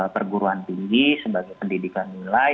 perguruan tinggi sebagai pendidikan nilai